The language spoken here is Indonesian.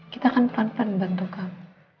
kita akan pelan pelan membantu kamu